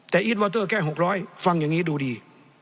แต่อีทวอเตอร์แค่๖๐๐ฟังอย่างนี้ดูดี